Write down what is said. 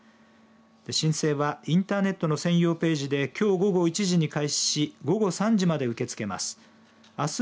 申請はインターネットの専用ページできょう午後１時に開始し午後３時まで受け付けます。